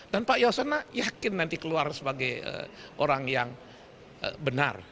dan pak yasona yakin nanti keluar sebagai orang yang benar